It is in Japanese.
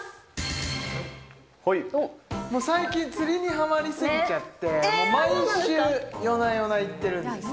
最近、釣りにハマり過ぎちゃって、毎週、夜な夜な行ってるんですよ。